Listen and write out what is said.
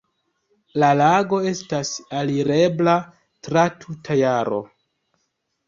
La lago estas alirebla tra tuta jaro.